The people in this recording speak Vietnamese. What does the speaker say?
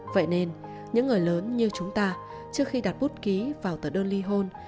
vậy nên những người lớn như chúng ta trước khi đặt bút ký vào tờ đơn ly hôn